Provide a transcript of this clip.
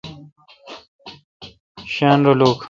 شاین رل اوک۔